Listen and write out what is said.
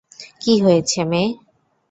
কি হয়েছে, মেয়ে?